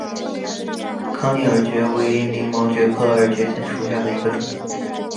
康定耳蕨为鳞毛蕨科耳蕨属下的一个种。